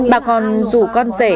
bà còn rủ con rể